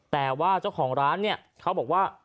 แต่ว่าเจ้าของร้านเนี่ยเขาบอกว่า